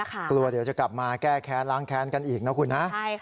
กลัวเดี๋ยวจะกลับมาแก้แค้นล้างแค้นกันอีกนะคุณนะ